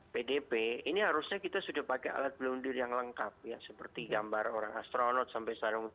pdp ini harusnya kita sudah pakai alat pelindung diri yang lengkap ya seperti gambar orang astronot sampai sarung tanah